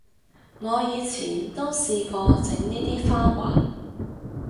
我以前都試過整呢啲花環